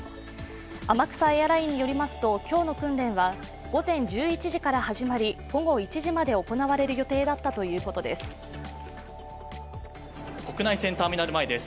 天草エアラインによりますと今日の訓練は午前１１時から始まり、午後１時まで行われる予定だったということです。